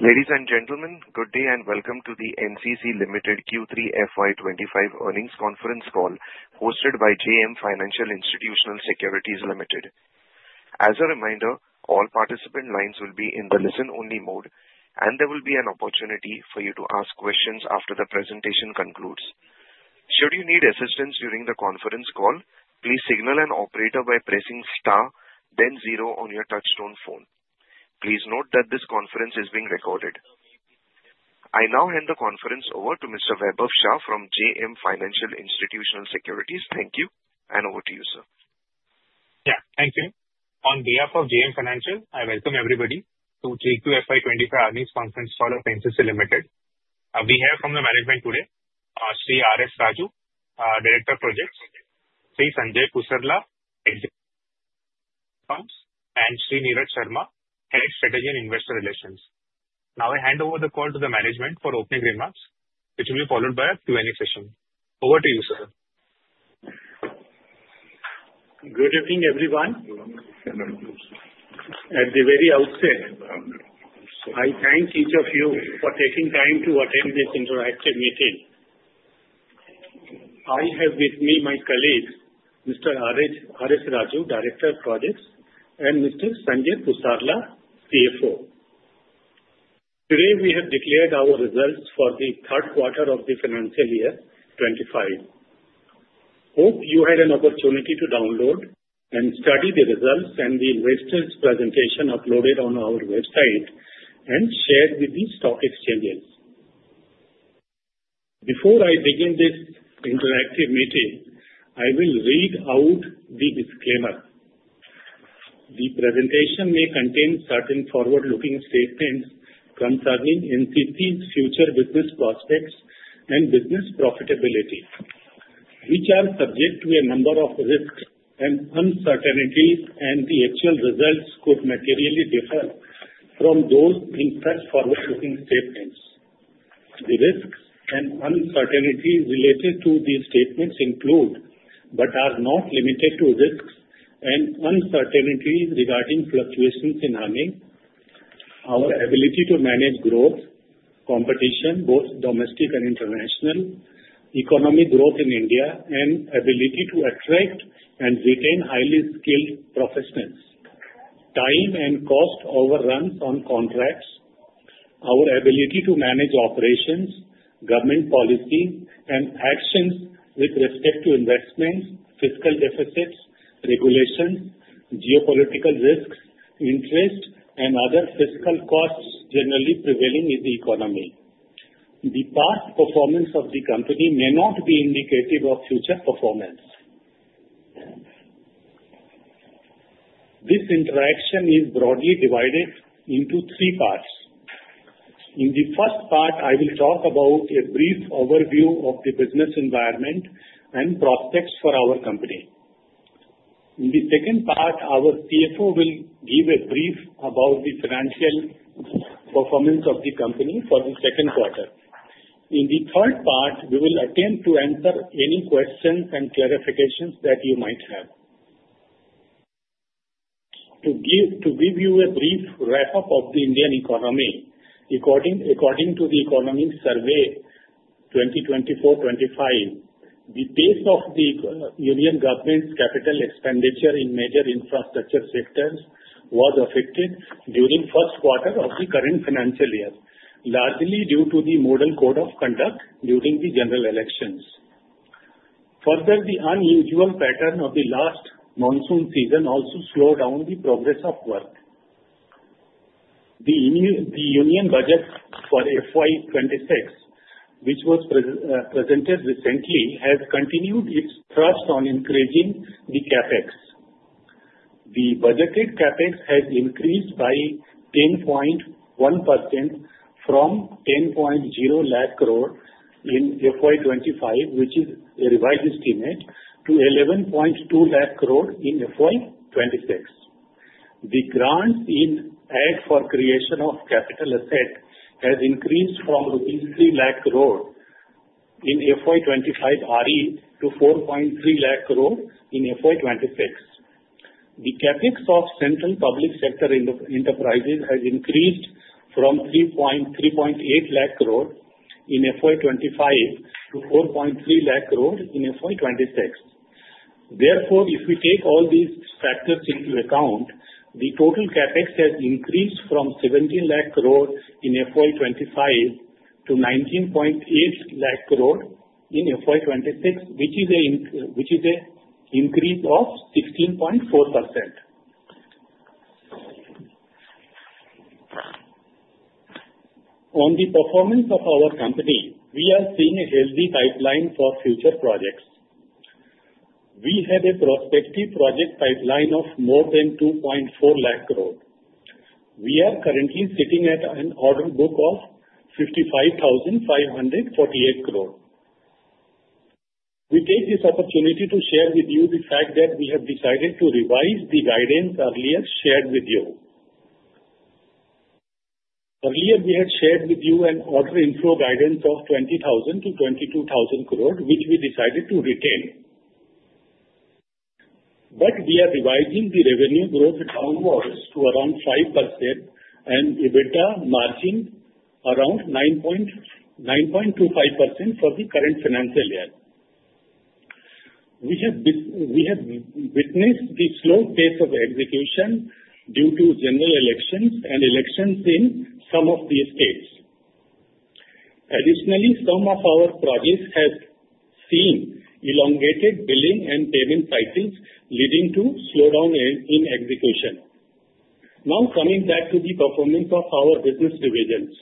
Ladies and gentlemen, good day and welcome to the NCC Limited Q3 FY25 earnings conference call hosted by JM Financial Institutional Securities Limited. As a reminder, all participant lines will be in the listen-only mode, and there will be an opportunity for you to ask questions after the presentation concludes. Should you need assistance during the conference call, please signal an operator by pressing star, then zero on your touch-tone phone. Please note that this conference is being recorded. I now hand the conference over to Mr. Vaibhav Shah from JM Financial Institutional Securities. Thank you, and over to you, sir. Yeah, thank you. On behalf of JM Financial, I welcome everybody to Q1 FY25 earnings conference call of NCC Limited. We have from the management today, Sri R.S. Raju, Director of Projects, Sri Sanjay Puchela, and Sri Neerad Sharma, Head of Strategy and Investor Relations. Now I hand over the call to the management for opening remarks, which will be followed by a Q&A session. Over to you, sir. Good evening, everyone. At the very outset, I thank each of you for taking time to attend this interactive meeting. I have with me my colleagues, Mr. R.S. Raju, Director of Projects, and Mr. Sanjay Puchela, CFO. Today, we have declared our results for the third quarter of the financial year 25. Hope you had an opportunity to download and study the results and the investors' presentation uploaded on our website and shared with the stock exchanges. Before I begin this interactive meeting, I will read out the disclaimer. The presentation may contain certain forward-looking statements concerning NCC's future business prospects and business profitability, which are subject to a number of risks and uncertainties, and the actual results could materially differ from those in such forward-looking statements. The risks and uncertainties related to these statements include, but are not limited to, risks and uncertainties regarding fluctuations in earnings, our ability to manage growth, competition, both domestic and international, economic growth in India, and ability to attract and retain highly skilled professionals, time and cost overruns on contracts, our ability to manage operations, government policies, and actions with respect to investments, fiscal deficits, regulations, geopolitical risks, interest, and other fiscal costs generally prevailing in the economy. The past performance of the company may not be indicative of future performance. This interaction is broadly divided into three parts. In the first part, I will talk about a brief overview of the business environment and prospects for our company. In the second part, our CFO will give a brief about the financial performance of the company for the second quarter. In the third part, we will attempt to answer any questions and clarifications that you might have. To give you a brief wrap-up of the Indian economy, according to the Economic Survey 2024-25, the pace of the Indian government's capital expenditure in major infrastructure sectors was affected during the first quarter of the current financial year, largely due to the Model Code of Conduct during the general elections. Further, the unusual pattern of the last monsoon season also slowed down the progress of work. The union budget for FY26, which was presented recently, has continued its thrust on increasing the CapEx. The budgeted CapEx has increased by 10.1% from 10.0 lakh crore in FY25, which is a revised estimate, to 11.2 lakh crore in FY26. The Grants-in-Aid for creation of capital asset have increased from rupees 3 lakh crore in FY25 RE to 4.3 lakh crore in FY26. The CapEx of central public sector enterprises has increased from 3.8 lakh crore in FY25 to 4.3 lakh crore in FY26. Therefore, if we take all these factors into account, the total CapEx has increased from 17 lakh crore in FY25 to 19.8 lakh crore in FY26, which is an increase of 16.4%. On the performance of our company, we are seeing a healthy pipeline for future projects. We have a prospective project pipeline of more than 2.4 lakh crore. We are currently sitting at an order book of 55,548 crore. We take this opportunity to share with you the fact that we have decided to revise the guidance earlier shared with you. Earlier, we had shared with you an order inflow guidance of 20,000-22,000 crore, which we decided to retain. But we are revising the revenue growth downwards to around 5% and EBITDA margin around 9.25% for the current financial year. We have witnessed the slow pace of execution due to general elections and elections in some of the states. Additionally, some of our projects have seen elongated billing and payment cycles, leading to slowdown in execution. Now, coming back to the performance of our business divisions,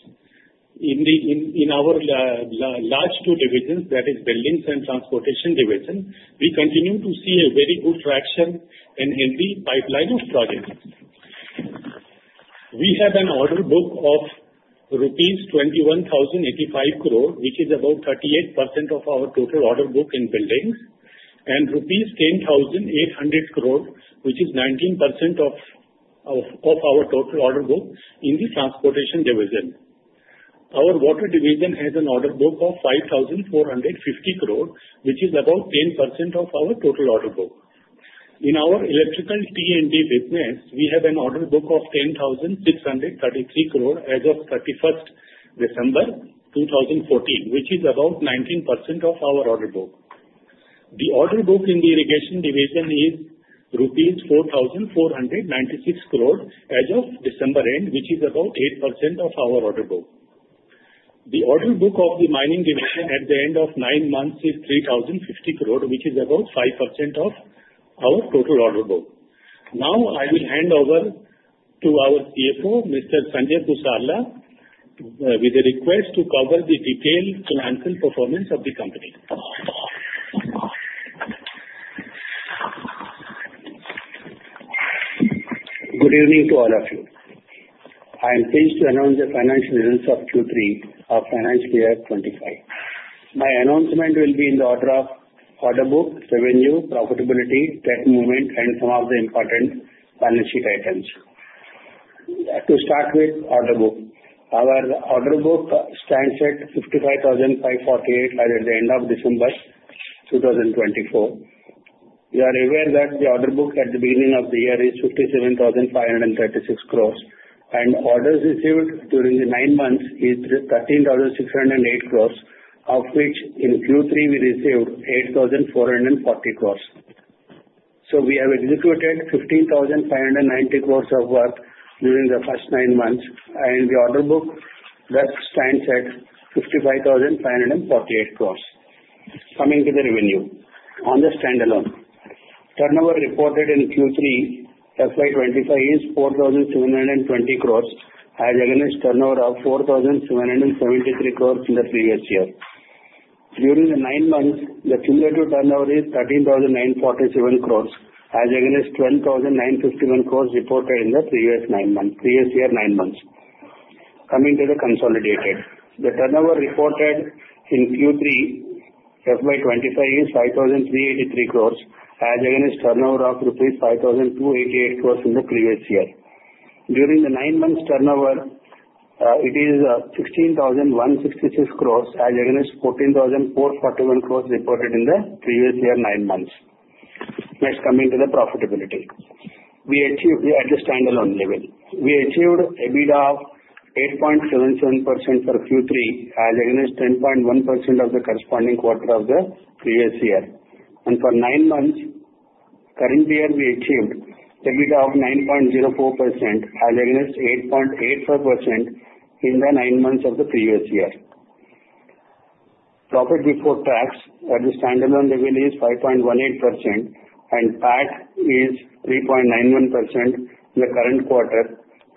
in our large two divisions, that is, buildings and transportation division, we continue to see a very good traction and healthy pipeline of projects. We have an order book of Rs. 21,085 crore, which is about 38% of our total order book in buildings, and Rs. 10,800 crore, which is 19% of our total order book in the transportation division. Our water division has an order book of 5,450 crore, which is about 10% of our total order book. In our electrical T&D business, we have an order book of 10,633 crore as of 31st December 2014, which is about 19% of our order book. The order book in the irrigation division is Rs. 4,496 crore as of December end, which is about 8% of our order book. The order book of the mining division at the end of nine months is 3,050 crore, which is about 5% of our total order book. Now, I will hand over to our CFO, Mr. Sanjay Puchela, with a request to cover the detailed financial performance of the company. Good evening to all of you. I am pleased to announce the financial results of Q3 of financial year 25. My announcement will be in the order of order book, revenue, profitability, debt movement, and some of the important financial items. To start with order book, our order book stands at 55,548 at the end of December 2024. You are aware that the order book at the beginning of the year is 57,536 crore, and orders received during the nine months is 13,608 crore, of which in Q3 we received 8,440 crore. So we have executed 15,590 crore of work during the first nine months, and the order book stands at 55,548 crore. Coming to the revenue, on the standalone, turnover reported in Q3 FY25 is 4,720 crore, as against turnover of 4,773 crore in the previous year. During the nine months, the cumulative turnover is 13,947 crore, as against 12,951 crore reported in the previous nine months. Coming to the consolidated, the turnover reported in Q3 FY25 is 5,383 crore, as against turnover of Rs. 5,288 crore in the previous year. During the nine months turnover, it is 16,166 crore, as against 14,441 crore reported in the previous year nine months. Next, coming to the profitability, we achieved at the standalone level, we achieved EBITDA of 8.77% for Q3, as against 10.1% of the corresponding quarter of the previous year, and for nine months, current year we achieved EBITDA of 9.04%, as against 8.84% in the nine months of the previous year. Profit before tax at the standalone level is 5.18%, and PAT is 3.91% in the current quarter,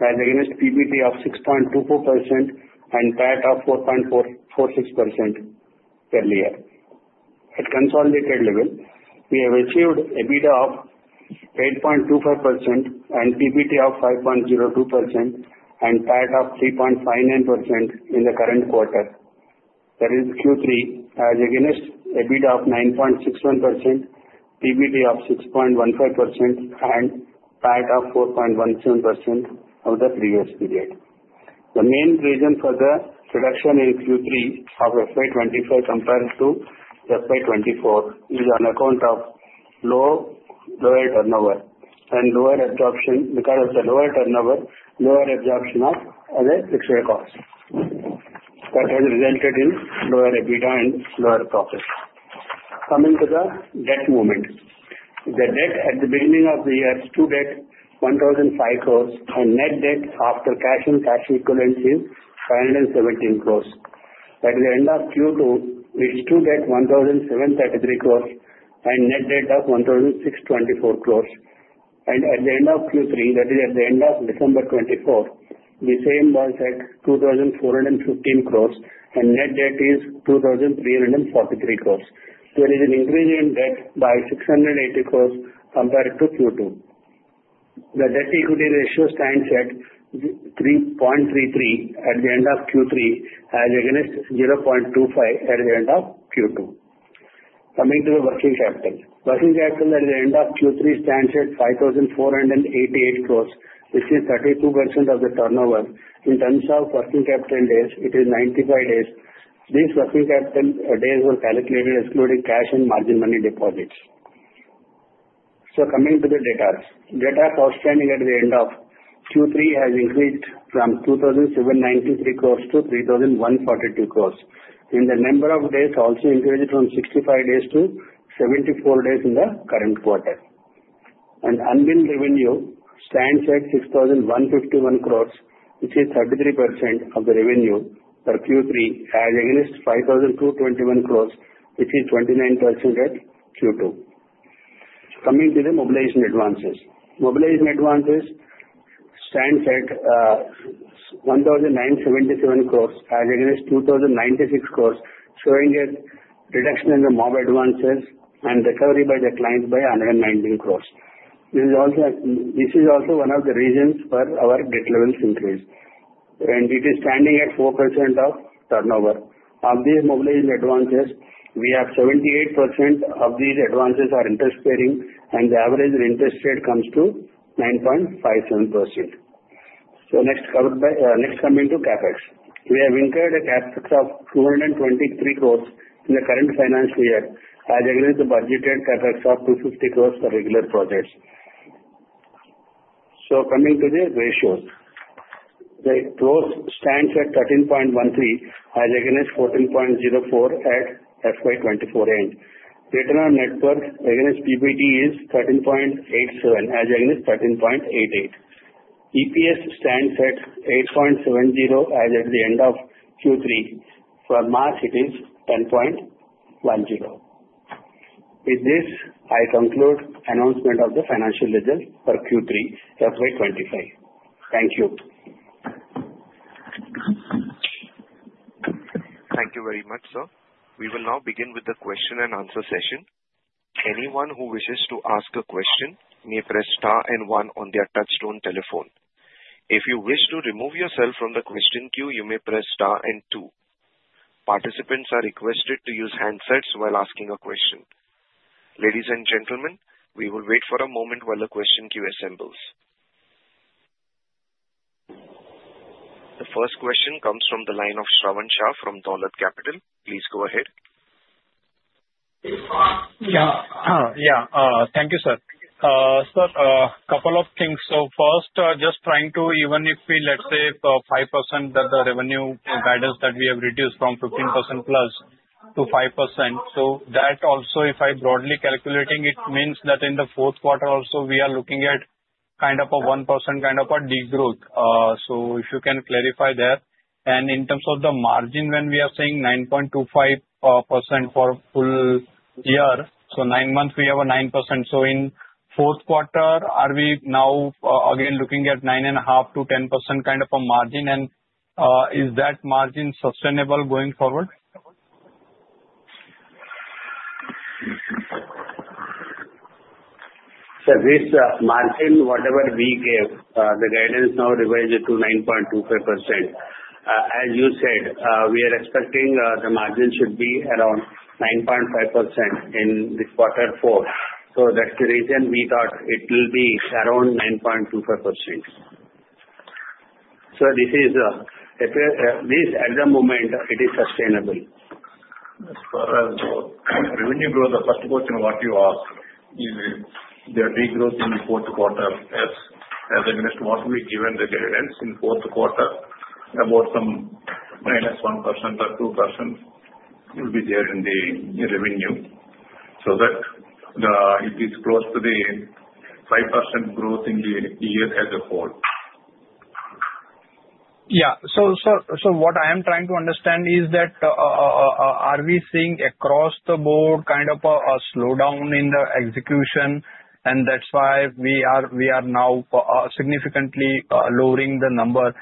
as against PBT of 6.24% and PAT of 4.46% earlier. At consolidated level, we have achieved EBITDA of 8.25% and PBT of 5.02% and PAT of 3.59% in the current quarter. That is Q3, as against EBITDA of 9.61%, PBT of 6.15%, and PAT of 4.17% of the previous period. The main reason for the reduction in Q3 of FY25 compared to FY24 is on account of lower turnover and lower absorption because of the lower turnover, lower absorption of other fixed costs. That has resulted in lower EBITDA and lower profit. Coming to the debt movement, the debt at the beginning of the year is 2,105 crore, and net debt after cash and cash equivalents is 517 crore. At the end of Q2, it's 2,107.33 crore, and net debt of 1,624 crore. And at the end of Q3, that is at the end of December 2024, the same was at 2,415 crore, and net debt is 2,343 crore. There is an increase in debt by 680 crore compared to Q2. The debt equity ratio stands at 3.33 at the end of Q3, as against 0.25 at the end of Q2. Coming to the working capital, working capital at the end of Q3 stands at 5,488 crore, which is 32% of the turnover. In terms of working capital days, it is 95 days. These working capital days were calculated excluding cash and margin money deposits. So coming to the debt, debt outstanding at the end of Q3 has increased from 2,793 crore to 3,142 crore. And the number of days also increased from 65 days to 74 days in the current quarter. And unbilled revenue stands at 6,151 crore, which is 33% of the revenue per Q3, as against 5,221 crore, which is 29% at Q2. Coming to the mobilization advances, mobilization advances stands at 1,977 crore, as against 2,096 crore, showing a reduction in the mob advances and recovery by the clients by 119 crore. This is also one of the reasons for our debt levels increase, and it is standing at 4% of turnover. Of these mobilization advances, we have 78% of these advances are interest-bearing, and the average interest rate comes to 9.57%. Next coming to CapEx, we have incurred a CapEx of 223 crore in the current financial year, as against the budgeted CapEx of 250 crore for regular projects. Coming to the ratios, the gross stands at 13.13, as against 14.04 at FY24 end. Return on net worth against PBT is 13.87, as against 13.88. EPS stands at 8.70, as at the end of Q3. For March, it is 10.10. With this, I conclude announcement of the financial result for Q3 FY25. Thank you. Thank you very much, sir. We will now begin with the question and answer session. Anyone who wishes to ask a question may press star and one on their touchstone telephone. If you wish to remove yourself from the question queue, you may press star and two. Participants are requested to use handsets while asking a question. Ladies and gentlemen, we will wait for a moment while the question queue assembles. The first question comes from the line of Shravan Shah from Dolat Capital. Please go ahead. Yeah, thank you, sir. Sir, a couple of things. So first, just trying to, even if we, let's say, 5% that the revenue guidance that we have reduced from 15% plus to 5%. So that also, if I broadly calculating, it means that in the fourth quarter also, we are looking at kind of a 1% kind of a degrowth. So if you can clarify that. And in terms of the margin, when we are saying 9.25% for full year, so nine months, we have a 9%. So in fourth quarter, are we now again looking at 9.5%-10% kind of a margin, and is that margin sustainable going forward? So this margin, whatever we gave, the guidance now revised to 9.25%. As you said, we are expecting the margin should be around 9.5% in the quarter four. So that's the reason we thought it will be around 9.25%. So this is, at the moment, it is sustainable. As far as revenue growth, the first question what you asked is the degrowth in the fourth quarter, as against what we given the guidance in fourth quarter about some minus 1% or 2% will be there in the revenue, so that it is close to the 5% growth in the year as a whole. Yeah. So what I am trying to understand is that are we seeing across the board kind of a slowdown in the execution, and that's why we are now significantly lowering the number.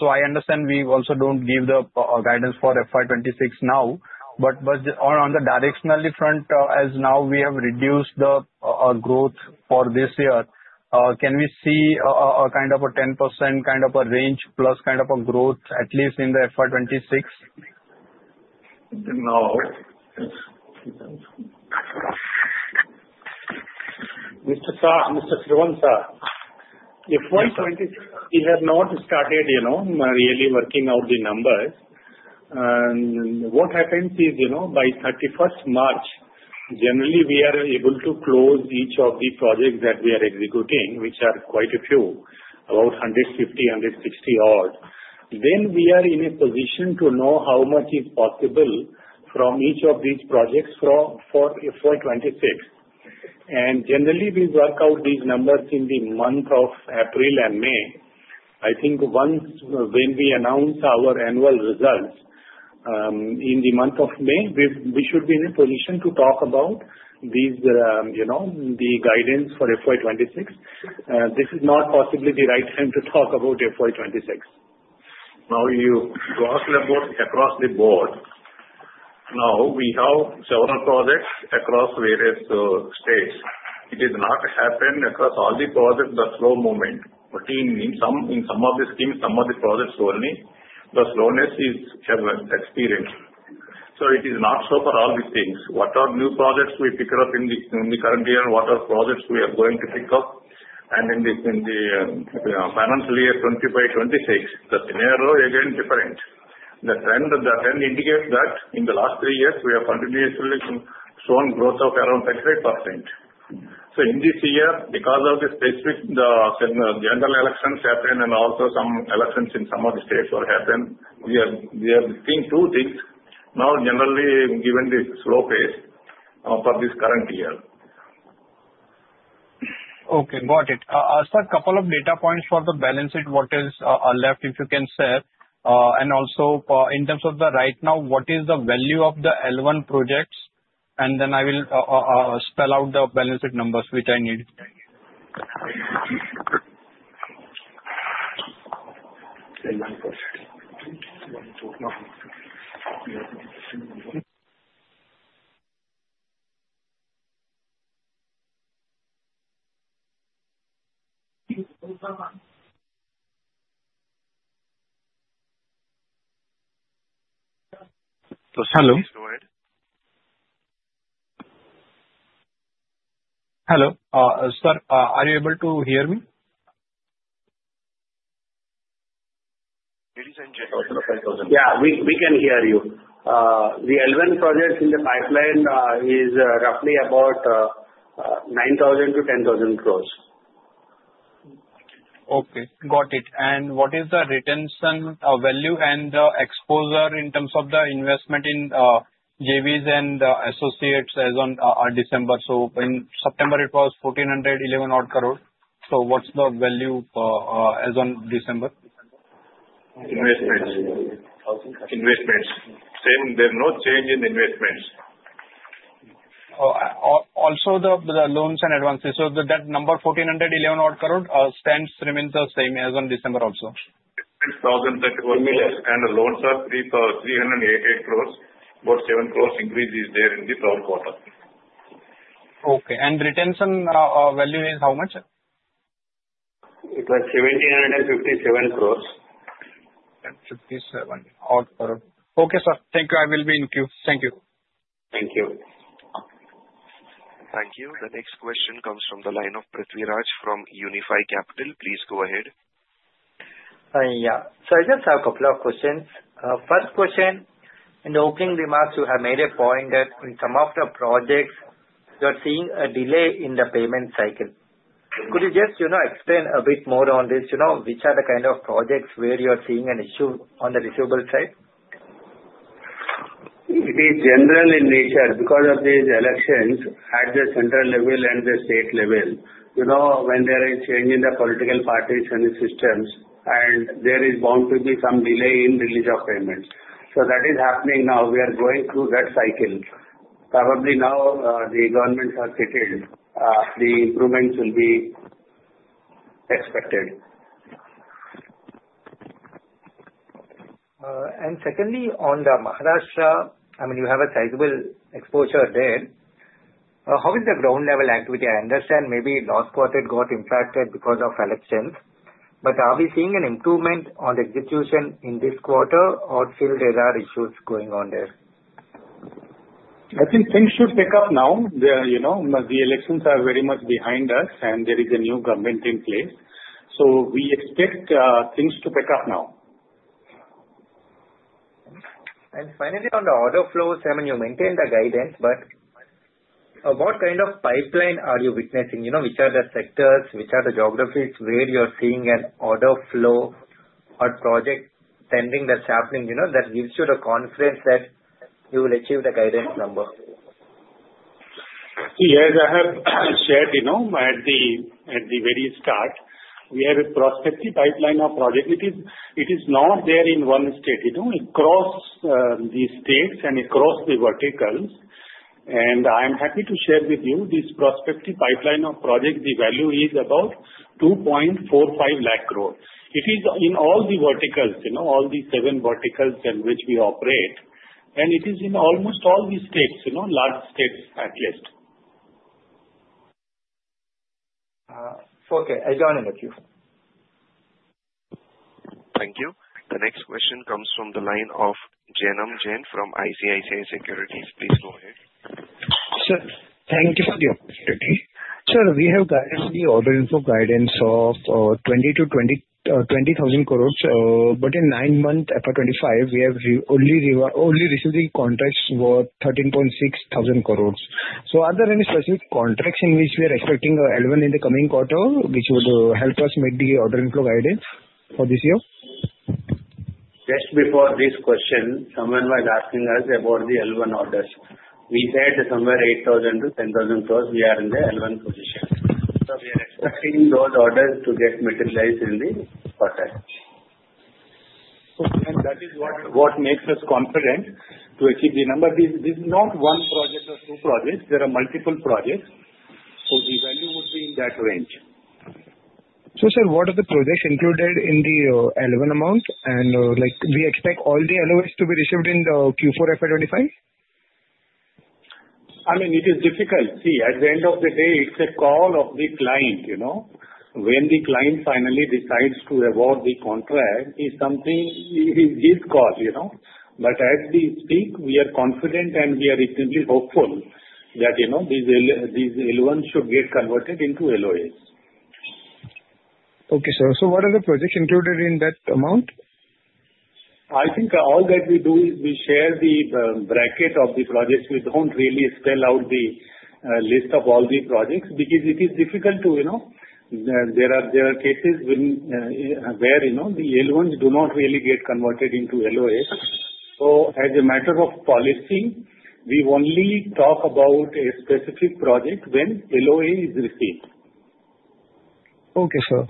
So I understand we also don't give the guidance for FY26 now, but on the directional front, as now we have reduced the growth for this year, can we see a kind of a 10% kind of a range plus kind of a growth, at least in the FY26? No. Mr. Shravan Shah, FY26, we have not started really working out the numbers. And what happens is by 31st March, generally, we are able to close each of the projects that we are executing, which are quite a few, about 150, 160 odd. Then we are in a position to know how much is possible from each of these projects for FY26. And generally, we work out these numbers in the month of April and May. I think once when we announce our annual results in the month of May, we should be in a position to talk about the guidance for FY26. This is not possibly the right time to talk about FY26. Now, you asked about across the board. Now, we have several projects across various states. It did not happen across all the projects, the slow movement. In some of the schemes, some of the projects only, the slowness is experienced. So it is not so for all these things. What are new projects we pick up in the current year? What are projects we are going to pick up? And in the financial year 25-26, the scenario again different. The trend indicates that in the last three years, we have continuously shown growth of around 38%. So in this year, because of the specific general elections happened and also some elections in some of the states were happened, we are seeing two things. Now, generally, given the slow pace for this current year. Okay, got it. As for a couple of data points for the balance sheet, what is left, if you can share? And also, in terms of the right now, what is the value of the L1 projects? And then I will spell out the balance sheet numbers, which I need. Hello. Hello. Hello. Sir, are you able to hear me? Yeah, we can hear you. The L1 projects in the pipeline is roughly about 9,000-10,000 crore. Okay, got it. And what is the retention value and the exposure in terms of the investment in JVs and associates as on December? So in September, it was 1,411 odd crore. So what's the value as on December? Investments. Investments. Same. There's no change in investments. Also, the loans and advances. That number 1,411 odd crore remains the same as on December also? Investments 1,000 crore and the loans are 388 crore. About seven crore increase is there in this all quarter. Okay, and retention value is how much? It was 1,757 crore. 1,757 odd crore. Okay, sir. Thank you. I will be in queue. Thank you. Thank you. Thank you. The next question comes from the line of Prithvi Raj from Unifi Capital. Please go ahead. Yeah. So I just have a couple of questions. First question, in the opening remarks, you have made a point that in some of the projects, you are seeing a delay in the payment cycle. Could you just explain a bit more on this, which are the kind of projects where you are seeing an issue on the receivable side? It is general in nature because of these elections at the central level and the state level. When there is change in the political parties and the systems, there is bound to be some delay in release of payments. So that is happening now. We are going through that cycle. Probably now the governments are settled. The improvements will be expected. Secondly, on the Maharashtra, I mean, you have a sizable exposure there. How is the ground-level activity? I understand maybe last quarter it got impacted because of elections. But are we seeing an improvement on the execution in this quarter, or still there are issues going on there? I think things should pick up now. The elections are very much behind us, and there is a new government in place. So we expect things to pick up now. And finally, on the order flows, I mean, you maintain the guidance, but what kind of pipeline are you witnessing? Which are the sectors, which are the geographies where you are seeing an order flow or project tendering that's happening that gives you the confidence that you will achieve the guidance number? Yes, I have shared at the very start. We have a prospective pipeline of project. It is not there in one state. It crosses the states and it crosses the verticals, and I am happy to share with you this prospective pipeline of project. The value is about 2.45 lakh crore. It is in all the verticals, all the seven verticals in which we operate, and it is in almost all the states, large states at least. Okay. John, in the queue. Thank you. The next question comes from the line of Jainam Shah from ICICI Securities. Please go ahead. Sir, thank you for the opportunity. Sir, we have guidance in the order inflow guidance of 20,000 crore. But in nine months FY25, we have only received the contracts worth 13.6 thousand crore. So are there any specific contracts in which we are expecting L1 in the coming quarter, which would help us make the order inflow guidance for this year? Just before this question, someone was asking us about the L1 orders. We said somewhere 8,000-10,000 crore, we are in the L1 position. So we are expecting those orders to get materialized in the quarter. And that is what makes us confident to achieve the number. This is not one project or two projects. There are multiple projects. So the value would be in that range. So sir, what are the projects included in the L1 amount? And we expect all the LOAs to be received in the Q4 FY25? I mean, it is difficult. See, at the end of the day, it's a call of the client. When the client finally decides to award the contract, it's his call. But as we speak, we are confident and we are extremely hopeful that these L1s should get converted into LOAs. Okay, sir. So what are the projects included in that amount? I think all that we do is we share the bracket of the projects. We don't really spell out the list of all the projects because it is difficult to. There are cases where the L1s do not really get converted into LOAs. So as a matter of policy, we only talk about a specific project when LOA is received. Okay, sir.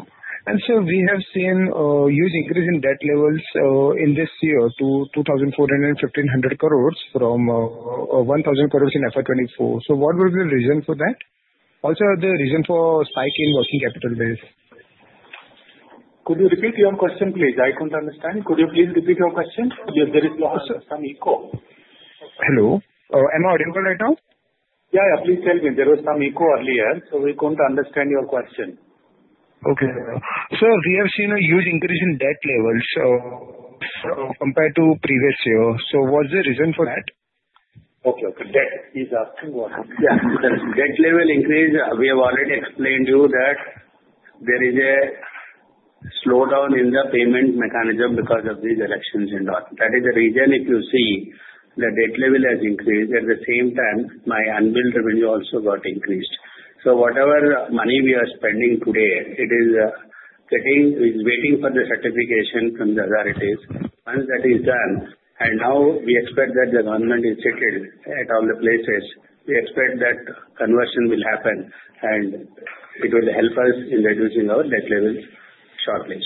And sir, we have seen a huge increase in debt levels in this year to 2,415,000 crore from 1,000 crore in FY24. So what was the reason for that? Also, the reason for spike in working capital bills? Could you repeat your question, please? I couldn't understand. Could you please repeat your question? There is some echo. Hello? Am I audible right now? Yeah, yeah. Please tell me. There was some echo earlier, so we couldn't understand your question. Okay. Sir, we have seen a huge increase in debt levels compared to previous year. So what's the reason for that? Okay, okay. Debt. He's asking what. Yeah. Debt level increase. We have already explained to you that there is a slowdown in the payment mechanism because of these elections and all. That is the reason. If you see the debt level has increased, at the same time, my unbilled revenue also got increased. So whatever money we are spending today, it is waiting for the certification from the authorities. Once that is done, and now we expect that the government is settled at all the places, we expect that conversion will happen, and it will help us in reducing our debt level shortly.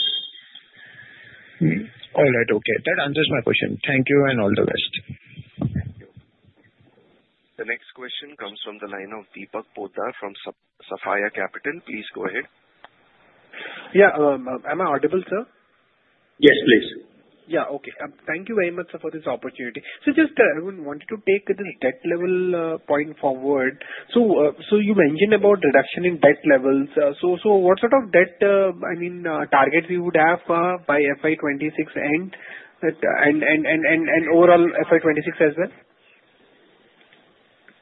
All right. Okay. That answers my question. Thank you and all the best. The next question comes from the line of Deepak Poddar from Sapphire Capital. Please go ahead. Yeah. Am I audible, sir? Yes, please. Yeah. Okay. Thank you very much for this opportunity. So just I wanted to take this debt level point forward. So you mentioned about reduction in debt levels. So what sort of debt, I mean, targets you would have by FY26 and overall FY26 as well?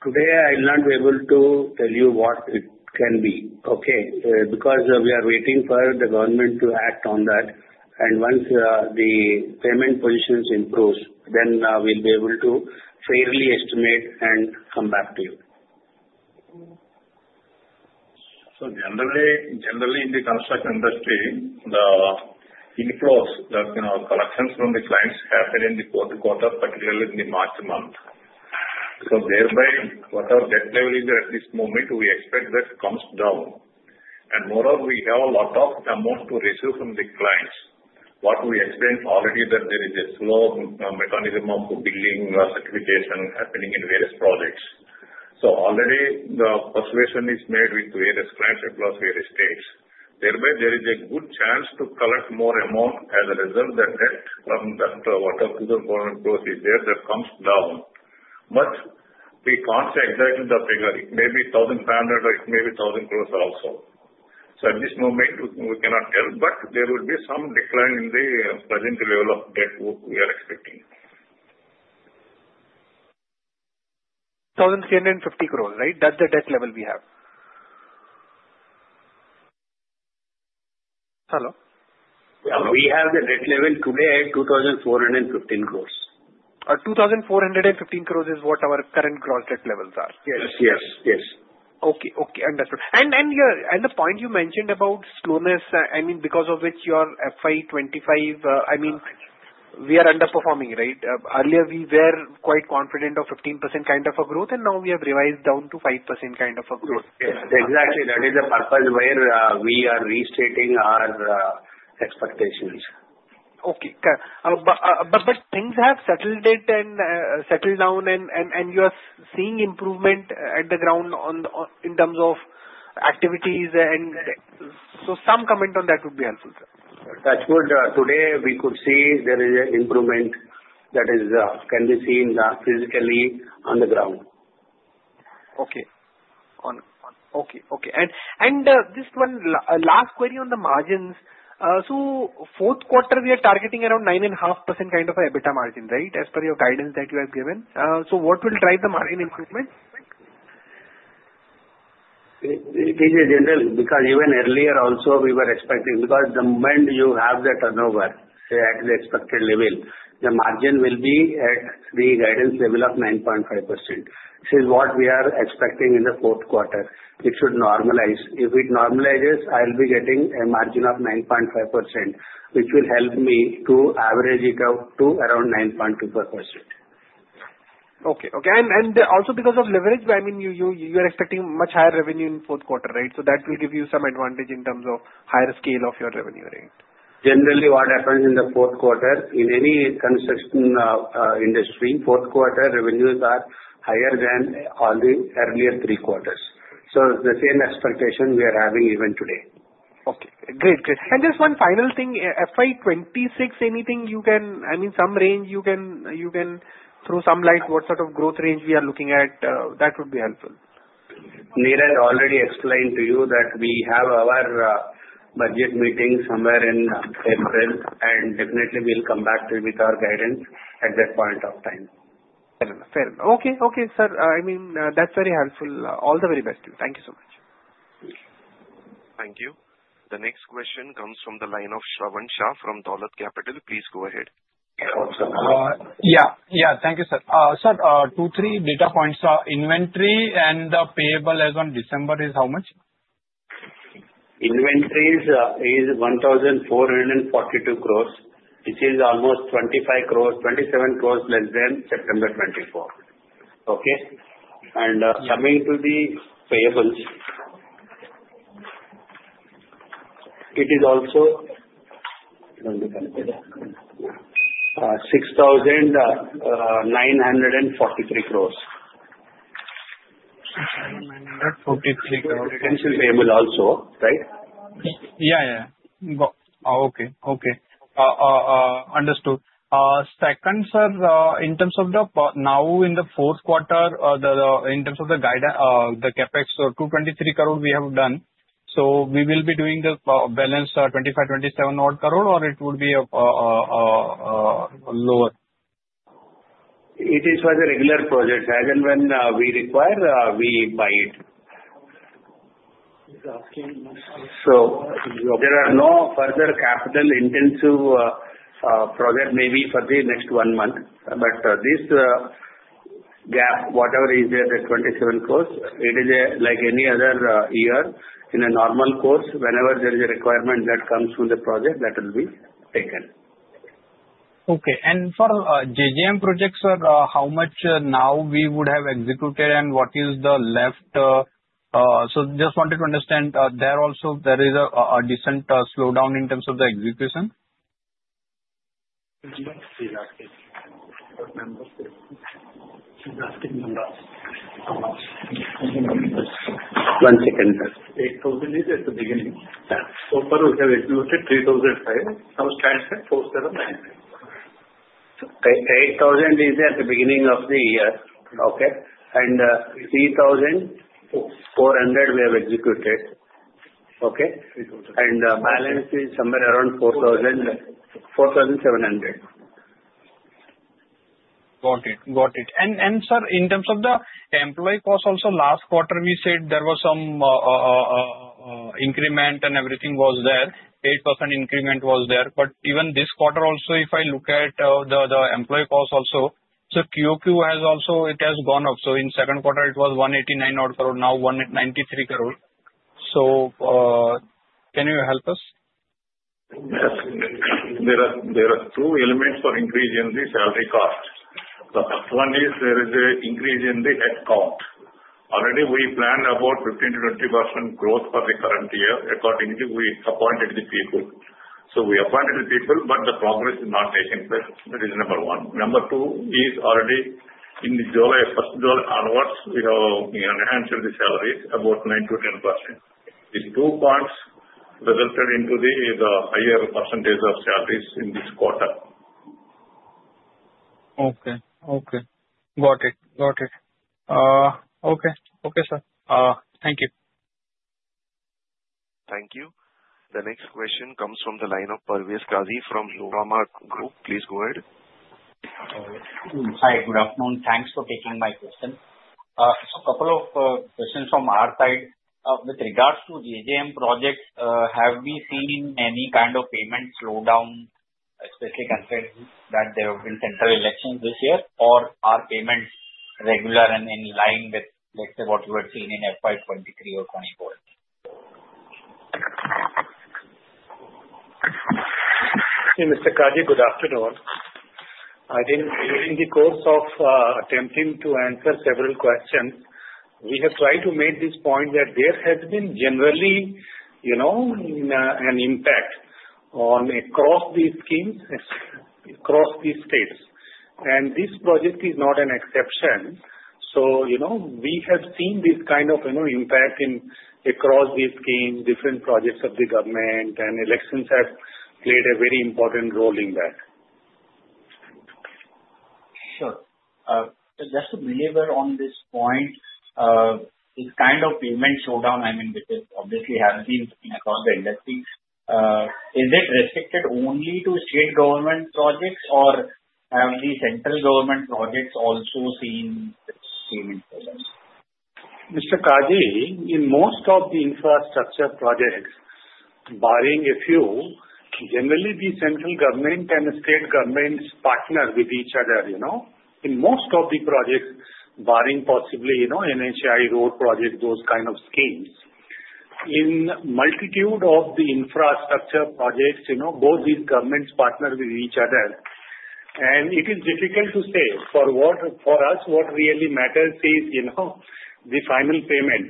Today, I'm not able to tell you what it can be. Okay? Because we are waiting for the government to act on that. And once the payment positions improve, then we'll be able to fairly estimate and come back to you. So generally, in the construction industry, the inflows that collections from the clients happen in the fourth quarter, particularly in the March month. So thereby, whatever debt level is there at this moment, we expect that comes down. And moreover, we have a lot of amount to receive from the clients. What we explained already that there is a slow mechanism of billing certification happening in various projects. So already, the persuasion is made with various clients across various states. Thereby, there is a good chance to collect more amount as a result that debt from whatever government gross is there that comes down. but we can't say exactly the figure. It may be 1,500 or it may be 1,000 crores also. so at this moment, we cannot tell. but there will be some decline in the present level of debt we are expecting. 1,350 crores, right? That's the debt level we have. Hello? Yeah. We have the debt level today at 2,415 crores. 2,415 crores is what our current gross debt levels are. Yes, yes, yes. Okay. Okay. Understood. And the point you mentioned about slowness, I mean, because of which your FY25, I mean, we are underperforming, right? Earlier, we were quite confident of 15% kind of a growth, and now we have revised down to 5% kind of a growth. Yes. Exactly. That is the purpose where we are restating our expectations. Okay. But things have settled down, and you are seeing improvement at the ground in terms of activities. So some comment on that would be helpful. That's good. Today, we could see there is an improvement that can be seen physically on the ground. Okay. Just one last query on the margins. Fourth quarter, we are targeting around 9.5% kind of an EBITDA margin, right, as per your guidance that you have given? What will drive the margin improvement? It is general. Because even earlier also, we were expecting because the moment you have the turnover at the expected level, the margin will be at the guidance level of 9.5%. This is what we are expecting in the fourth quarter. It should normalize. If it normalizes, I'll be getting a margin of 9.5%, which will help me to average it out to around 9.25%. Okay. And also because of leverage, I mean, you are expecting much higher revenue in fourth quarter, right? So that will give you some advantage in terms of higher scale of your revenue, right? Generally, what happens in the fourth quarter, in any construction industry, fourth quarter revenues are higher than all the earlier three quarters. So it's the same expectation we are having even today. Okay. Great, great. And just one final thing. FY26, anything you can, I mean, some range you can throw some light, what sort of growth range we are looking at? That would be helpful. Neeraj already explained to you that we have our budget meeting somewhere in April, and definitely, we'll come back with our guidance at that point of time. Fair enough. Okay. Okay, sir. I mean, that's very helpful. All the very best to you. Thank you so much. Thank you. The next question comes from the line of Shravan Shah from Dolat Capital. Please go ahead. Yeah. Yeah. Thank you, sir. Sir, two, three data points. Inventory and the payables as of December is how much? Inventory is 1,442 crores. It is almost 25 crores, 27 crores less than September 2024. Okay? And coming to the payables, it is also INR 6,943 crores. 6,943 crores. Retention payable also, right? Yeah, yeah, yeah. Okay. Okay. Understood. Second, sir, in terms of the now in the fourth quarter, in terms of the CapEx, 223 crores we have done. So we will be doing the balance 25-27 crores, or it would be lower? It is for the regular projects. As and when we require, we buy it. So there are no further capital-intensive projects maybe for the next one month. But this gap, whatever is there, the 27 crores, it is like any other year. In a normal course, whenever there is a requirement that comes from the project, that will be taken. Okay. And for JGM projects, sir, how much now we would have executed, and what is the left? So just wanted to understand, there also there is a decent slowdown in terms of the execution? One second. 8,000 is at the beginning. So far, we have executed 3,500. How stands that 4,790? 8,000 is there at the beginning of the year. Okay? And 3,400 we have executed. Okay? And balance is somewhere around 4,700. Got it. Got it. And sir, in terms of the employee cost also, last quarter, we said there was some increment and everything was there. 8% increment was there. But even this quarter also, if I look at the employee cost also, so QQ has also it has gone up. So in second quarter, it was 189 crore. Now 193 crore. So can you help us? There are two elements for increase in the salary cost. The first one is there is an increase in the headcount. Already, we planned about 15%-20% growth for the current year. Accordingly, we appointed the people. So we appointed the people, but the progress is not taking place. That is number one. Number two is already in the July 1st onwards, we have enhanced the salaries about 9%-10%. These two points resulted into the higher percentage of salaries in this quarter. Okay. Got it. Okay, sir. Thank you. Thank you. The next question comes from the line of Parvez Qazi from Nuvama Institutional Equities. Please go ahead. Hi. Good afternoon. Thanks for taking my question. A couple of questions from our side. With regards to JGM projects, have we seen any kind of payment slowdown, especially considering that there have been central elections this year? Or are payments regular and in line with, let's say, what you had seen in FY 2023 or 2024? Mr. Qazi, good afternoon. During the course of attempting to answer several questions, we have tried to make this point that there has been generally an impact across these schemes, across these states, and this project is not an exception, so we have seen this kind of impact across these schemes, different projects of the government, and elections have played a very important role in that. Sure. Just to be clear on this point, this kind of payment slowdown, I mean, because obviously, it has been across the industry, is it restricted only to state government projects, or have the central government projects also seen payment progress? Mr. Qazi, in most of the infrastructure projects, barring a few, generally, the central government and state governments partner with each other. In most of the projects, barring possibly NHAI Road project, those kind of schemes, in multitude of the infrastructure projects, both these governments partner with each other. And it is difficult to say. For us, what really matters is the final payment.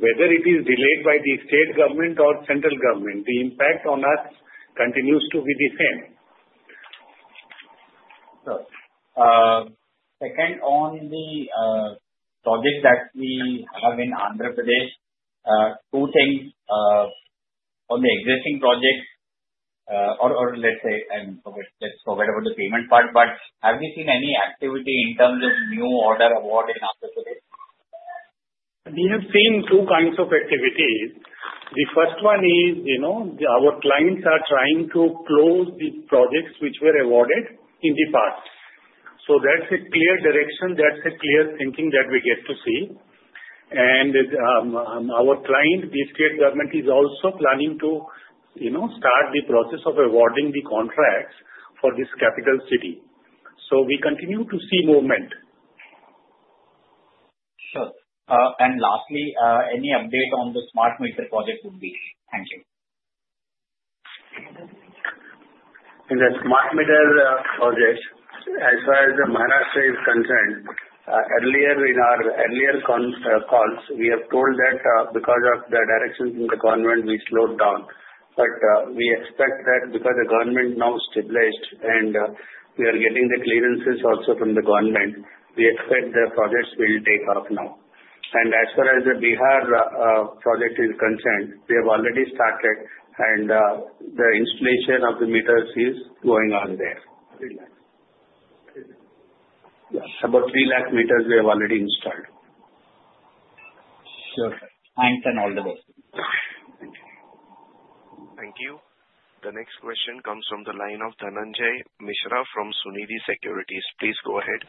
Whether it is delayed by the state government or central government, the impact on us continues to be the same. Second, on the project that we have in Andhra Pradesh, two things. On the existing projects, or let's say, I mean, forget about the payment part, but have we seen any activity in terms of new order award in Andhra Pradesh? We have seen two kinds of activity. The first one is our clients are trying to close the projects which were awarded in the past. So that's a clear direction. That's a clear thinking that we get to see. And our client, the state government, is also planning to start the process of awarding the contracts for this capital city. So we continue to see movement. Sure. And lastly, any update on the smart meter project would be? Thank you. In the smart meter project, as far as Maharashtra is concerned, earlier in our earlier calls, we have told that because of the directions in the government, we slowed down. We expect that because the government now stabilized and we are getting the clearances also from the government, we expect the projects will take off now. As far as the Bihar project is concerned, they have already started, and the installation of the meters is going on there. About 3 lakh meters we have already installed. Sure. Thanks and all the best. Thank you. The next question comes from the line of Dhananjay Mishra from Sunidhi Securities. Please go ahead.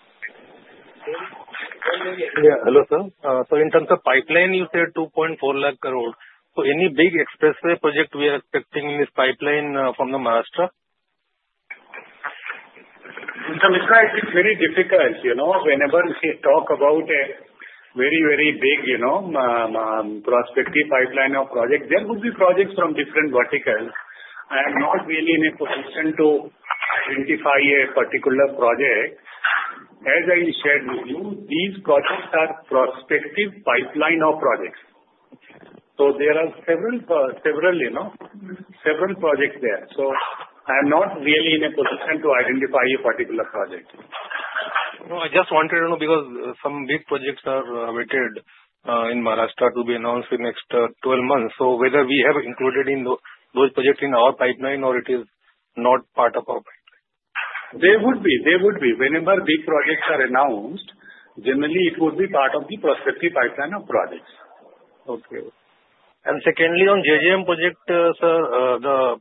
Hello, sir. So in terms of pipeline, you said 2.4 lakh crores. So any big expressway project we are expecting in this pipeline from Maharashtra? Mr. Mishra, it is very difficult. Whenever we talk about a very, very big prospective pipeline or project, there would be projects from different verticals. I am not really in a position to identify a particular project. As I shared with you, these projects are prospective pipeline or projects. So there are several projects there. So I am not really in a position to identify a particular project. I just wanted to know because some big projects are awaited in Maharashtra to be announced in the next 12 months, so whether we have included those projects in our pipeline or it is not part of our pipeline? They would be. Whenever big projects are announced, generally, it would be part of the prospective pipeline of projects. Okay, and secondly, on JGM project, sir,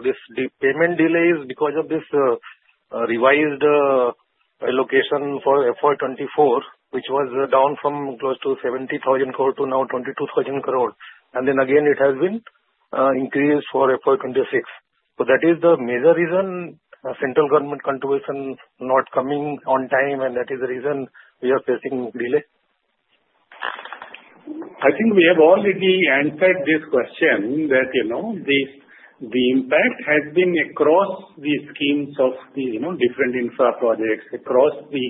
this payment delay is because of this revised allocation for FY24, which was down from close to 70,000 crores to now 22,000 crores. And then again, it has been increased for FY26. So that is the major reason central government contribution not coming on time, and that is the reason we are facing delay? I think we have already answered this question that the impact has been across the schemes of the different infra projects, across the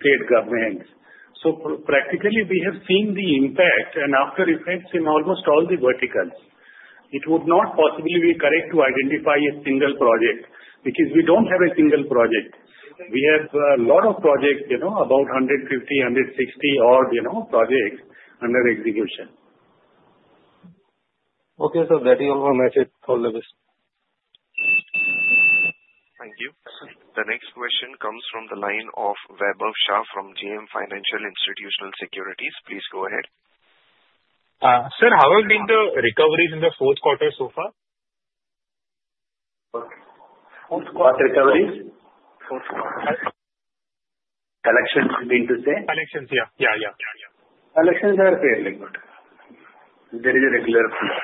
state governments. So practically, we have seen the impact and after effects in almost all the verticals. It would not possibly be correct to identify a single project because we don't have a single project. We have a lot of projects, about 150, 160 odd projects under execution. Okay, sir. That is all my message. All the best. Thank you. The next question comes from the line of Vaibhav Shah from JM Financial Institutional Securities. Please go ahead. Sir, how have been the recoveries in the fourth quarter so far? Fourth quarter recoveries? Fourth quarter. Collections you mean to say? Collections, yeah. Yeah, yeah. Collections are fairly good. There is a regular flow.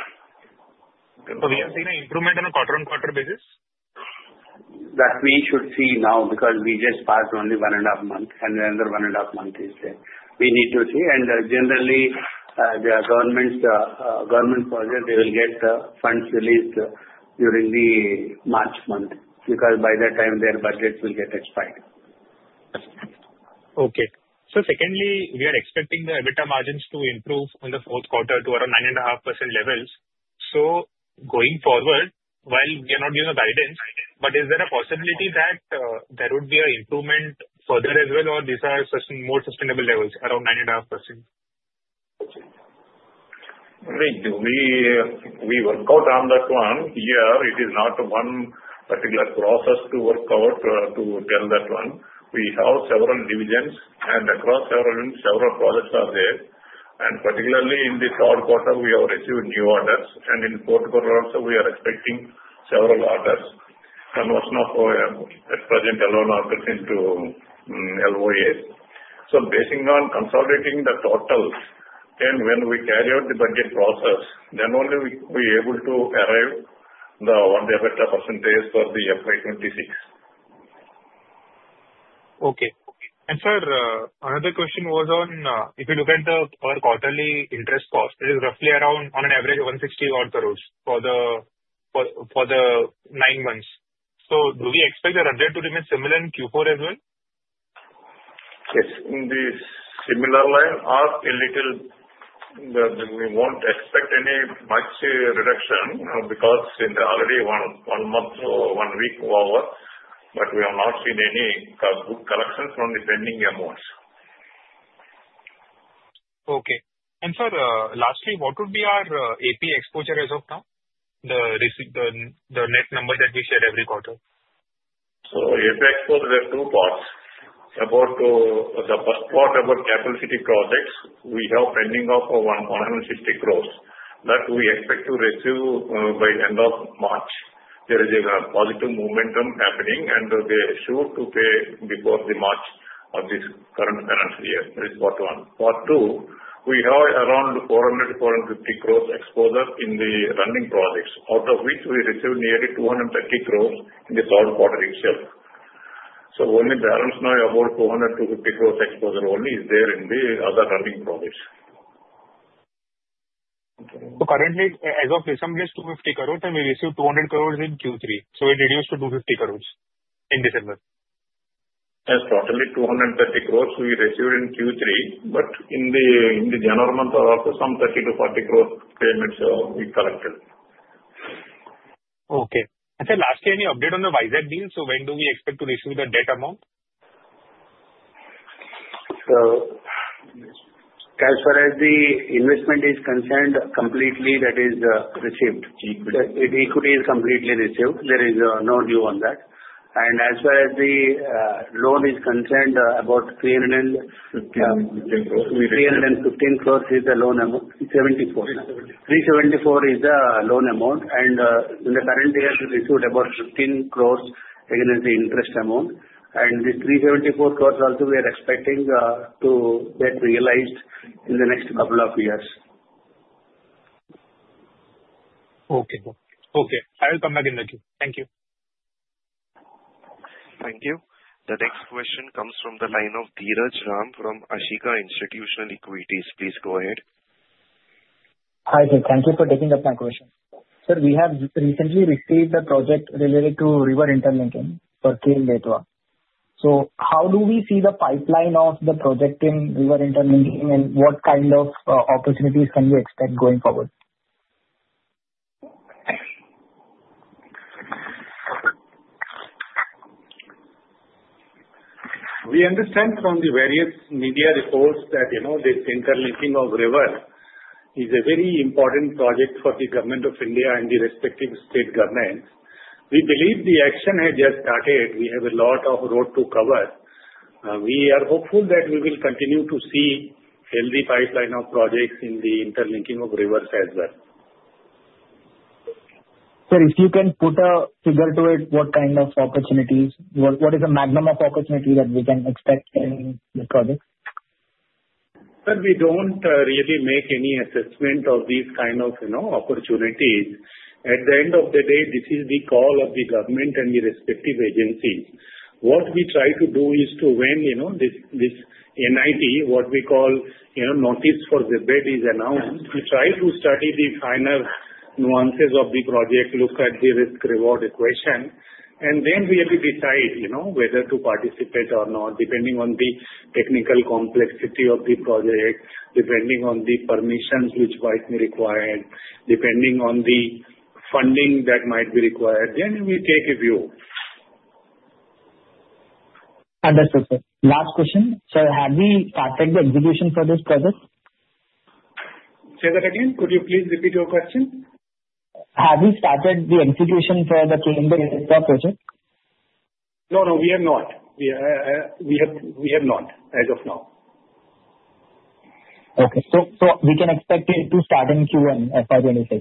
So we have seen an improvement on a quarter-on-quarter basis? That we should see now because we just passed only one and a half months, and another one and a half month is there. We need to see, and generally, the government project, they will get funds released during the March month because by that time, their budgets will get expired. Okay, so secondly, we are expecting the EBITDA margins to improve in the fourth quarter to around 9.5% levels, so going forward, while we are not giving a guidance, but is there a possibility that there would be an improvement further as well, or these are more sustainable levels, around 9.5%? We work out on that one year. It is not one particular process to work out to tell that one. We have several divisions, and across several projects are there. And particularly, in the third quarter, we have received new orders. And in the fourth quarter also, we are expecting several orders, conversion of present L1 orders into LOAs. So based on consolidating the totals, then when we carry out the budget process, then only we are able to arrive on the EBITDA percentage for the FY26. Okay. Sir, another question was on if you look at the per quarterly interest cost, it is roughly around, on an average, 160 crores for the nine months. So do we expect the trend to remain similar in Q4 as well? Yes. In the similar line, a little we won't expect any much reduction because in the already one month or one week over, but we have not seen any good collections on the pending amounts. Okay. And sir, lastly, what would be our AP exposure as of now, the net number that we share every quarter? AP exposure has two parts. The first part about capital city projects, we have pending of 150 crores that we expect to receive by the end of March. There is a positive momentum happening, and they are sure to pay before the March of this current financial year. That is part one. Part two, we have around 400-450 crores exposure in the running projects, out of which we received nearly 230 crores in the third quarter itself. Only balance now about 200-250 crores exposure only is there in the other running projects. So currently, as of December, it is 250 crores, and we received 200 crores in Q3. So it reduced to 250 crores in December. Yes. Totally 230 crores we received in Q3, but in the January month, there are also some 30-40 crores payments we collected. Okay. And, sir, lastly, any update on the Vizag deal? So, when do we expect to receive the debt amount? So, as far as the investment is concerned, completely that is received. Equity is completely received. There is no news on that. And, as far as the loan is concerned, about 315 crores is the loan amount. 374 is the loan amount. And, in the current year, we received about 15 crores against the interest amount. And, this 374 crores also, we are expecting to get realized in the next couple of years. Okay. Okay. I will come back in the Q. Thank you. Thank you. The next question comes from the line of Dheeraj Agarwal from Ashika Institutional Equities. Please go ahead. Hi, sir. Th ank you for taking up my question. Sir, we have recently received a project related to Ken-Betwa Link Project. So how do we see the pipeline of the project in Ken-Betwa Link Project, and what kind of opportunities can we expect going forward? We understand from the various media reports that this interlinking of river is a very important project for the government of India and the respective state governments. We believe the action has just started. We have a lot of road to cover. We are hopeful that we will continue to see healthy pipeline of projects in the interlinking of rivers as well. Sir, if you can put a figure to it, what kind of opportunities? What is the magnitude of opportunity that we can expect in the projects? Sir, we don't really make any assessment of these kind of opportunities. At the end of the day, this is the call of the government and the respective agencies. What we try to do is to, when this NIT, what we call Notice Inviting Tender, is announced, we try to study the finer nuances of the project, look at the risk-reward equation, and then we decide whether to participate or not, depending on the technical complexity of the project, depending on the permissions which might be required, depending on the funding that might be required. Then we take a view. Understood, sir. Last question. Sir, have we started the execution for this project? Say that again. Could you please repeat your question? Have we started the execution for the Ken-Betwa project? No, no. We have not. We have not as of now. Okay. So we can expect it to start in Q1, FY26?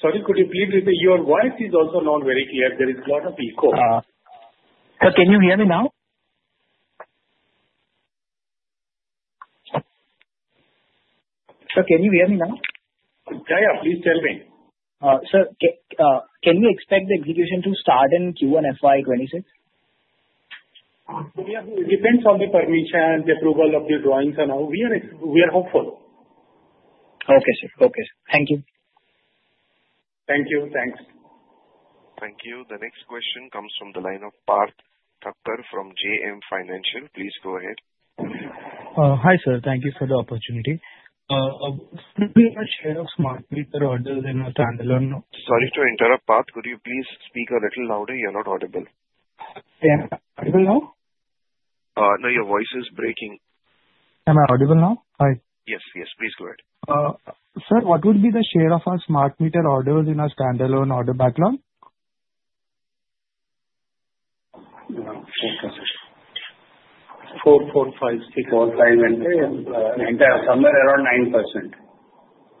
Sorry, could you please repeat? Your voice is also not very clear. There is a lot of echo. Sir, can you hear me now? Sir, can you hear me now? Yeah, yeah. Please tell me. Sir, can we expect the execution to start in Q1, FY26? It depends on the permission, the approval of the drawings, and how we are hopeful. Okay, sir. Okay. Thank you. Thank you. Thanks. Thank you. The next question comes from the line of Parth Thakkar from JM Financial. Please go ahead. Hi, sir. Thank you for the opportunity. What is the share of smart meter orders in standalone? Sorry to interrupt, Parth. Could you please speak a little louder? You're not audible. Am I audible now? No, your voice is breaking. Am I audible now? Hi. Yes, yes. Please go ahead. Sir, what would be the share of our smart meter orders in our standalone order backlog? 4.56, 4.5 and somewhere around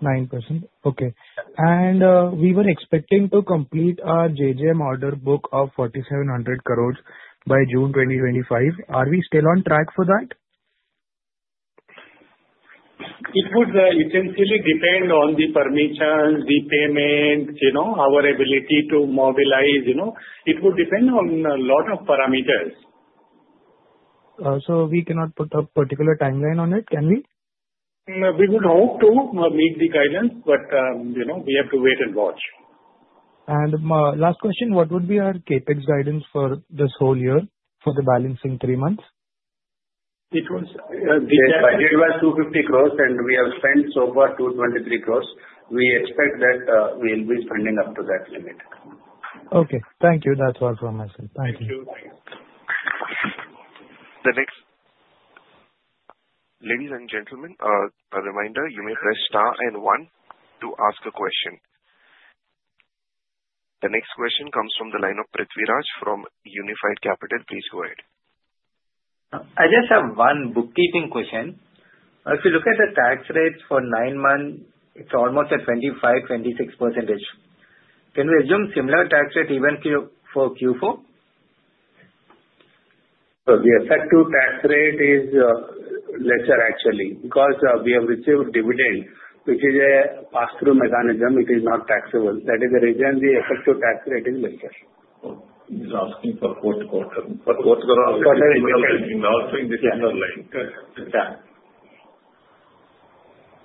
9%. 9%. Okay. And we were expecting to complete our JGM order book of 4,700 crores by June 2025. Are we still on track for that? It would essentially depend on the permissions, the payment, our ability to mobilize. It would depend on a lot of parameters. So we cannot put a particular timeline on it, can we? We would hope to meet the guidance, but we have to wait and watch. Last question, what would be our CapEx guidance for this whole year for the balancing three months? It was 250 crores, and we have spent so far 223 crores. We expect that we will be spending up to that limit. Okay. Thank you. That's all from my side. Thank you. Thank you. Ladies and gentlemen, a reminder, you may press star and one to ask a question. The next question comes from the line of Prithvi Raj from Unifi Capital. Please go ahead. I just have one bookkeeping question. If you look at the tax rates for nine months, it's almost 25%-26%. Can we assume similar tax rate even for Q4? The effective tax rate is lesser, actually, because we have received dividend, which is a pass-through mechanism. It is not taxable. That is the reason the effective tax rate is lesser. He's asking for quarter-on-quarter. Quarter-on-quarter. Quarter-on-quarter. He's also in the similar line.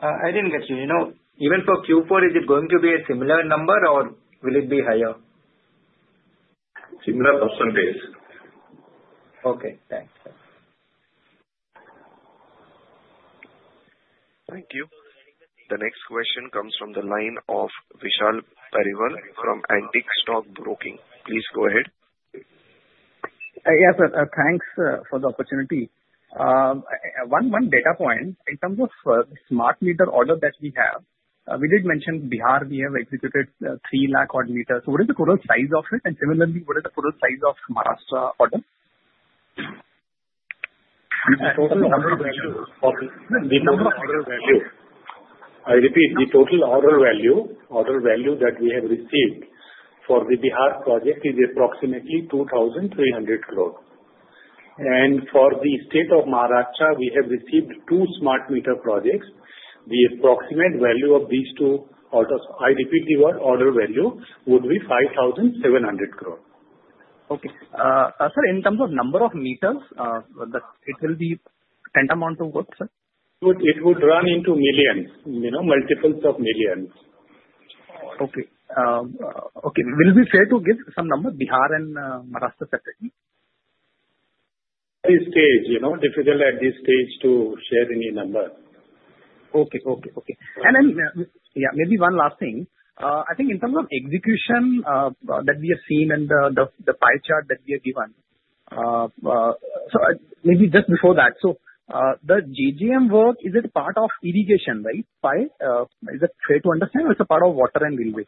I didn't get you. Even for Q4, is it going to be a similar number, or will it be higher? Similar percentage. Okay. Thanks. Thank you. The next question comes from the line of Vishal Periwal from Antique Stock Broking. Please go ahead. Yes, sir. Thanks for the opportunity. One data point, in terms of smart meter order that we have, we did mention Bihar. We have executed 3 lakh odd meters. What is the total size of it? And similarly, what is the total size of Maharashtra order? The total order value. The total order value. I repeat, the total order value that we have received for the Bihar project is approximately 2,300 crores. And for the state of Maharashtra, we have received two smart meter projects. The approximate value of these two, I repeat the word order value, would be 5,700 crores. Okay. Sir, in terms of number of meters, it will be tenth amount of what, sir? It would run into millions, multiples of millions. Will you be able to give some numbers for Bihar and Maharashtra separately? At this stage, difficult to share any number. Okay. And then, yeah, maybe one last thing. I think in terms of execution that we have seen and the pie chart that we have given, so maybe just before that, so the JGM work, is it part of irrigation, right? Pie? Is that fair to understand, or it's a part of water and railway?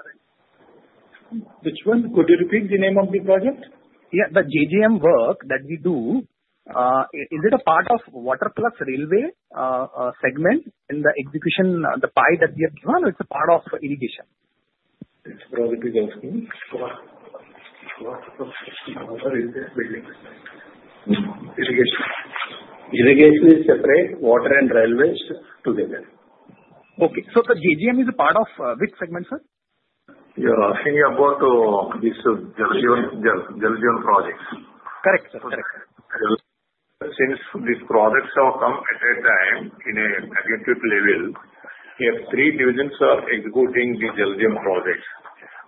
Which one? Could you repeat the name of the project? Yeah. The JGM work that we do, is it a part of water plus railway segment in the execution, the pie that we have given, or it's a part of irrigation? It's probably asking water is separate water and railway together. Okay. The JGM is a part of which segment, sir? You're asking about these Jal Jeevan projects? Correct, sir. Correct. Since these projects have come at a time in a macro level, we have three divisions executing the Jal Jeevan projects.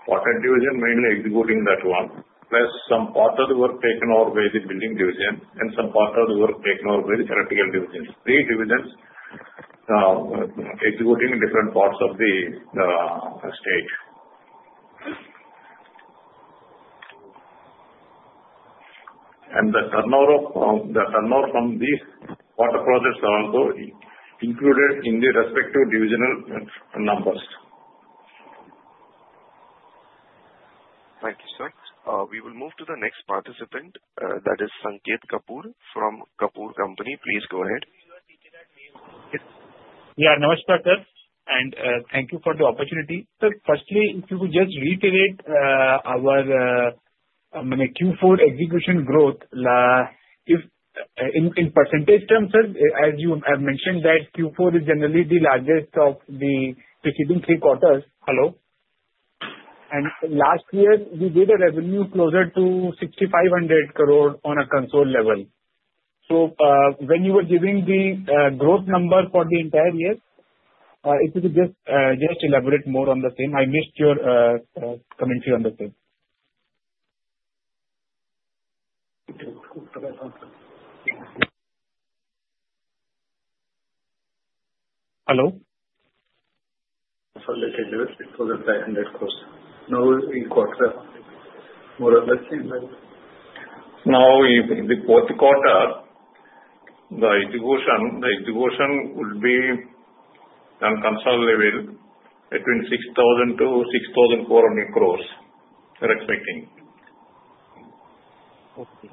Water division mainly executing that one, plus some part of the work taken over by the building division, and some part of the work taken over by the electrical division. Three divisions executing different parts of the state, and the turnover from these water projects are also included in the respective divisional numbers. Thank you, sir. We will move to the next participant. That is Sanket Kapoor from Kapoor & Co. Please go ahead. Yeah. Namaskar, sir. And thank you for the opportunity. Sir, firstly, if you could just reiterate our Q4 execution growth in percentage terms, sir, as you have mentioned that Q4 is generally the largest of the preceding three quarters. Hello. And last year, we did a revenue closer to 6,500 crores on a consolidated level. So when you were giving the growth number for the entire year, if you could just elaborate more on the same. I missed your commentary on the same. Hello. Let me do it closer to 500 crores. No in quarter, more or less? Now, in the fourth quarter, the deviation would be on consolidated level between 6,000 to 6,400 crores. We're expecting. Okay.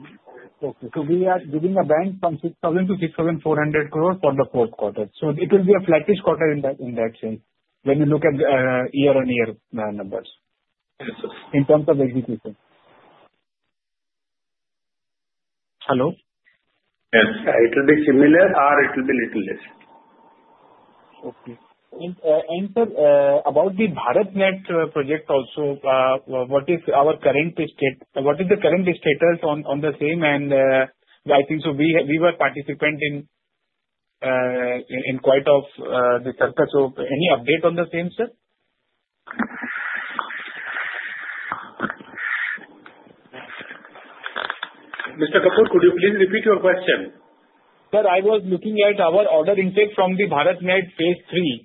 So we are giving a band from 6,000 to 6,400 crores for the fourth quarter. So it will be a flattish quarter in that sense when you look at year-on-year numbers in terms of execution. Yes. Hello? Yes. It will be similar or it will be a little less. Okay. And sir, about the BharatNet project also, what is our current state? What is the current status on the same? And I think we were participants in quite a few of the circles. So any update on the same, sir? Mr. Kapoor, could you please repeat your question? Sir, I was looking at our order intake from the BharatNet Phase-III.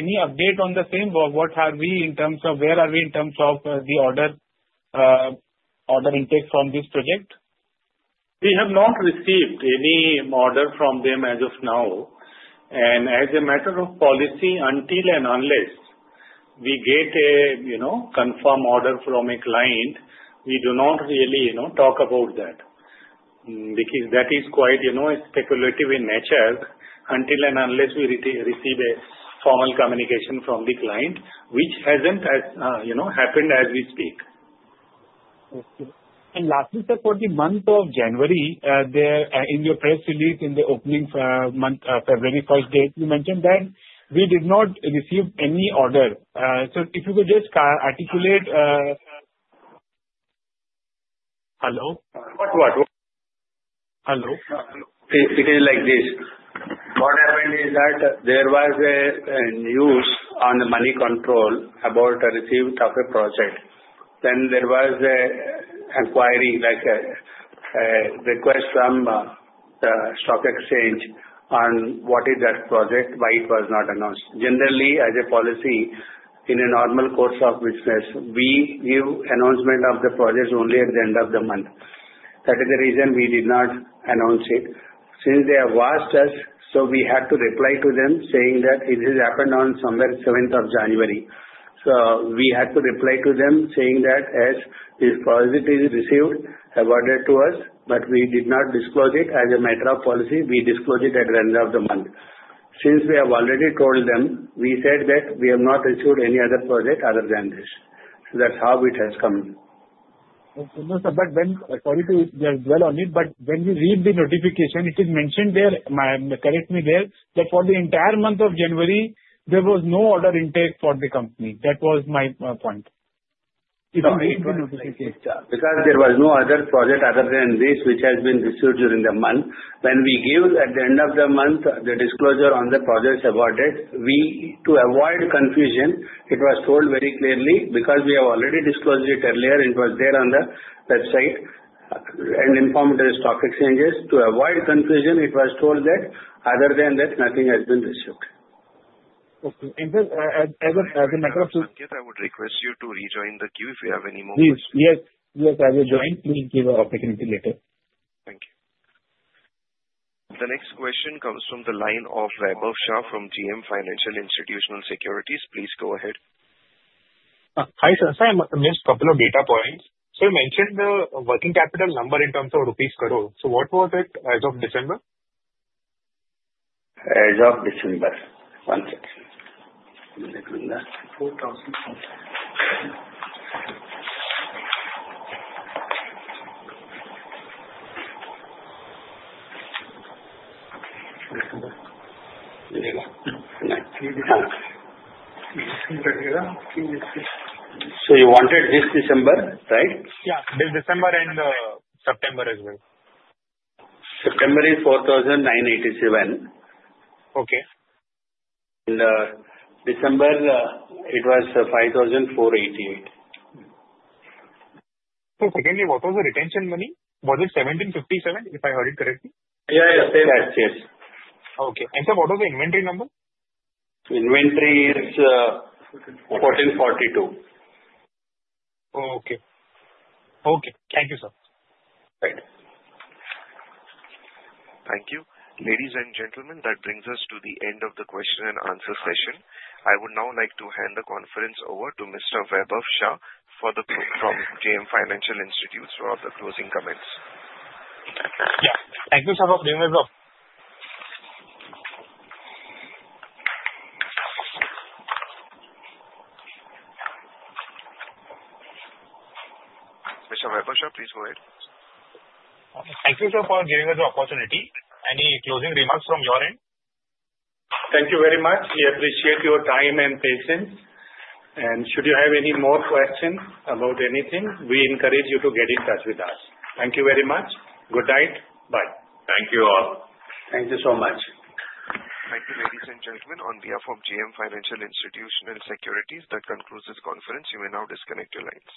Any update on the same? What are we in terms of where are we in terms of the order intake from this project? We have not received any order from them as of now. And as a matter of policy, until and unless we get a confirmed order from a client, we do not really talk about that because that is quite speculative in nature until and unless we receive a formal communication from the client, which hasn't happened as we speak. And lastly, sir, for the month of January, in your press release in the opening month, February first date, you mentioned that we did not receive any order. Sir, if you could just articulate. Hello? What? Hello? It is like this. What happened is that there was a news on Moneycontrol about a received project. Then there was an inquiry, like a request from the stock exchange on what is that project, why it was not announced. Generally, as a policy, in a normal course of business, we give announcement of the projects only at the end of the month. That is the reason we did not announce it. Since they have asked us, so we had to reply to them saying that it has happened on somewhere 7th of January. So we had to reply to them saying that as far as it is received, awarded to us, but we did not disclose it as a matter of policy. We disclose it at the end of the month. Since we have already told them, we said that we have not issued any other project other than this. So that's how it has come. Okay. No, sir, but when sorry to dwell on it, but when we read the notification, it is mentioned there, correct me there, that for the entire month of January, there was no order intake for the company. That was my point. Because there was no other project other than this which has been issued during the month, when we gave at the end of the month the disclosure on the projects awarded, to avoid confusion, it was told very clearly because we have already disclosed it earlier. It was there on the website and informed the stock exchanges. To avoid confusion, it was told that other than that, nothing has been received. Okay. And sir, as a matter of. Sanket, I would request you to rejoin the queue if you have any moments. Yes. Yes. As you join, please give an opportunity later. Thank you. The next question comes from the line of Vaibhav Shah from JM Financial Institutional Securities. Please go ahead. Hi, sir. Sorry, I missed a couple of data points. So you mentioned the working capital number in terms of rupees crores. So what was it as of December? As of December. One second. So you wanted this December, right? Yeah. This December and September as well. September is 4,987, and December, it was 5,488. Secondly, what was the retention money? Was it 1,757, if I heard it correctly? Yeah. Yeah. Same as yes. Okay. And sir, what was the inventory number? Inventory is 1,442. Okay. Okay. Thank you, sir. Right. Thank you. Ladies and gentlemen, that brings us to the end of the question and answer session. I would now like to hand the conference over to Mr. Vaibhav Shah from JM Financial Institutional Securities for the closing comments. Yeah. Thank you, sir, for being with us. Mr. Vaibhav Shah, please go ahead. Thank you, sir, for giving us the opportunity. Any closing remarks from your end? Thank you very much. We appreciate your time and patience. Should you have any more questions about anything, we encourage you to get in touch with us. Thank you very much. Good night. Bye. Thank you all. Thank you so much. Thank you, ladies and gentlemen. On behalf of JM Financial Institutional Securities, that concludes this conference. You may now disconnect your lines.